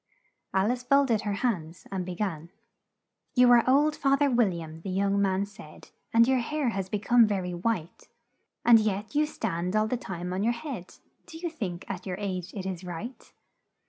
Al ice folded her hands, and be gan: "'You are old, Fath er Wil liam,' the young man said, 'And your hair has be come ver y white, And yet you stand all the time on your head Do you think, at your age, it is right?'